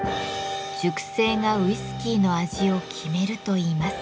熟成がウイスキーの味を決めるといいます。